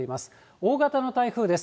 大型の台風です。